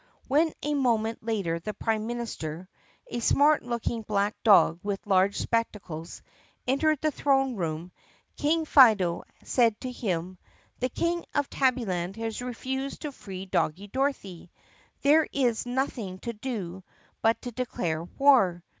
When a moment later the prime minister, a smart looking black dog with large spectacles, entered the throne room, King Fido said to him: "The King of Tabbyland has refused to free Doggie Dorothy. There is nothing to do but to declare war.